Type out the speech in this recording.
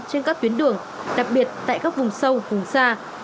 trên các tuyến đường đặc biệt tại các vùng sâu vùng xa